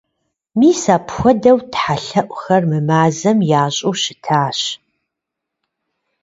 Мис апхуэдэу тхьэлъэӀухэр мы мазэм ящӀыу щытащ.